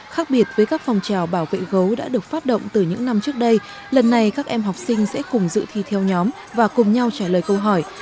khác biệt với các phòng trào bảo vệ gấu đã được phát động từ những năm trước đây lần này các em học sinh sẽ cùng dự thi theo nhóm và cùng nhau trả lời câu hỏi